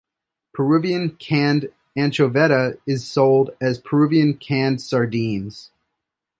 Peruvian canned anchoveta is sold as Peruvian canned sardines.